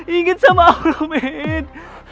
ingat sama allah med